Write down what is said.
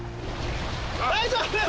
大丈夫？